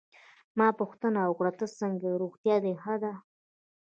ما پوښتنه وکړه: ته څنګه ېې، روغتیا دي ښه ده؟